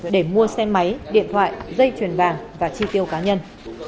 để mua xe máy điện thoại dây chuyền vàng và chi tiêu cá nhân